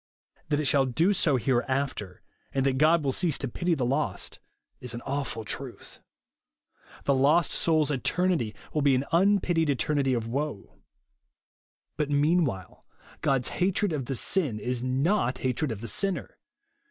That it shall do so here after, and that God will cease to pity the lost, is an awful truth. The lost soul's eternity will be an unpitied eternity of woe. But, meanwhile, God's hatred of the sin is 196 JESUS ONLY. not hatred of the sinner.